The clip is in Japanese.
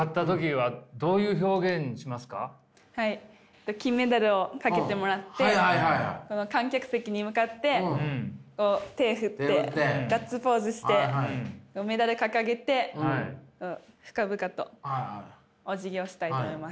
はい金メダルをかけてもらって観客席に向かってこう手を振ってガッツポーズしてメダル掲げて深々とお辞儀をしたいと思います。